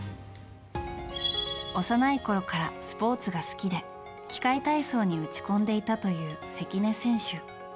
幼いころからスポーツが好きで器械体操に打ち込んでいたという関根選手。